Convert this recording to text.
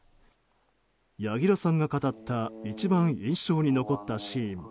柳楽さんが語った一番印象に残ったシーン。